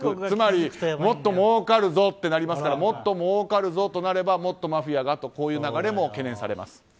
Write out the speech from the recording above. つまり、もっともうかるぞとなりますからもっともうかるぞとなればもっとマフィアもという流れも懸念されます。